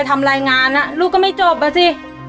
ทำรายงานลูกก็ไม่จบอ่ะสิ